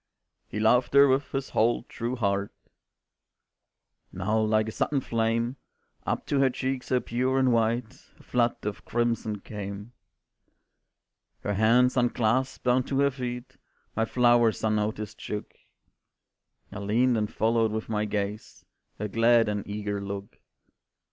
"He loved her with his whole true heart," Now like a sudden flame Up to her cheek so pure and white, A flood of crimson came. Her hands unclasped, down to her feet My flowers unnoticed shook; I leaned and followed with my gaze Her glad and eager look.